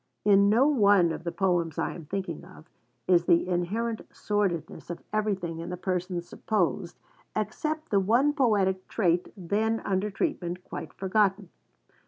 In no one of the poems I am thinking of, is the inherent sordidness of everything in the persons supposed, except the one poetic trait then under treatment, quite forgotten.